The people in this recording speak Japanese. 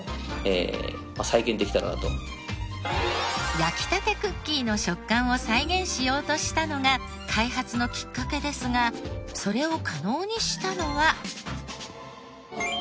焼きたてクッキーの食感を再現しようとしたのが開発のきっかけですがそれを可能にしたのは。